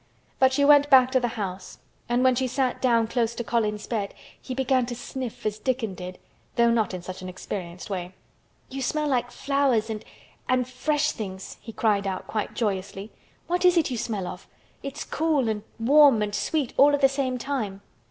But she went back to the house and when she sat down close to Colin's bed he began to sniff as Dickon did though not in such an experienced way. "You smell like flowers and—and fresh things," he cried out quite joyously. "What is it you smell of? It's cool and warm and sweet all at the same time."